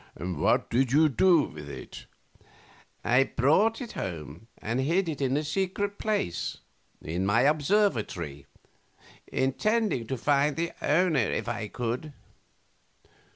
Q. What did you do with it? A. I brought it home and hid it in a secret place in my observatory, intending to find the owner if I could.